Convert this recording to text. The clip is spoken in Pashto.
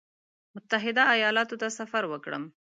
متحده ایالاتو ته سفر وکړم.